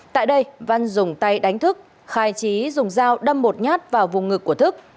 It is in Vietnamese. tại đây văn dùng tay đánh thức khai trí dùng dao đâm một nhát vào vùng ngực của thức